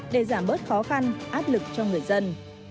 để giảm bớt khó khăn áp lực cho người dân